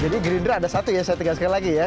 jadi gerindra ada satu ya saya tinggal sekali lagi ya